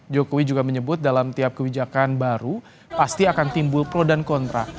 jokowi juga menyebut dalam tiap kebijakan baru pasti akan timbul pro dan kontra